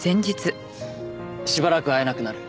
しばらく会えなくなる。